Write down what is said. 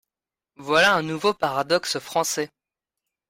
Voilà un nouveau paradoxe français.